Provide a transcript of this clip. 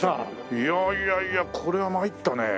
いやいやいやこりゃ参ったね。